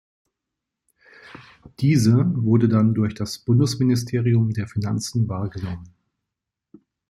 Diese wurde dann durch das Bundesministerium der Finanzen wahrgenommen.